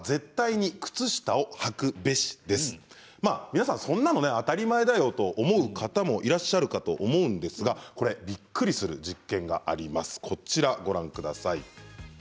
皆さん、そんなの当たり前だよと思う方もいらっしゃるかと思うんですがびっくりする実験があります。